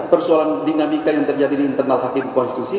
persoalan dinamika yang terjadi di internal hakim konstitusi